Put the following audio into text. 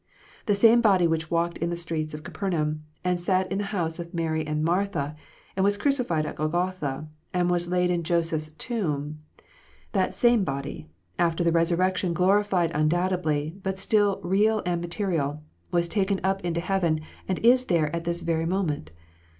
The same body Avhich walked in the streets of Capernaum, and sat in the house of Mary and Martha, and was crucified on Golgotha, and was laid in Joseph s tomb, that same body, after the resurrection glorified undoubtedly, but still real and material, was taken up into heaven, and is there at this very moment.